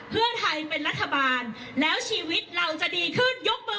เพื่อไทยเป็นรัฐบาลแล้วชีวิตเราจะดีขึ้นยกมือ